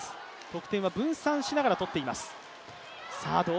得点は分散しながら取っています。